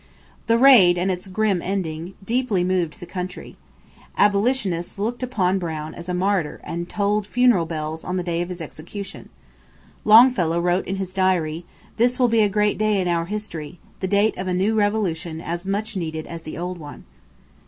The raid and its grim ending deeply moved the country. Abolitionists looked upon Brown as a martyr and tolled funeral bells on the day of his execution. Longfellow wrote in his diary: "This will be a great day in our history; the date of a new revolution as much needed as the old one."